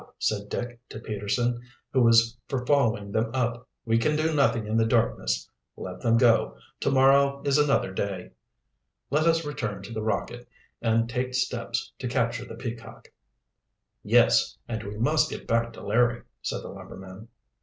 said Dick to Peterson, who was for following them up. "We can do nothing in the darkness. Let them go. To morrow is another day. Let us return to the Rocket and take steps to capture the Peacock." "Yes, and we must get back to Larry," said the lumberman.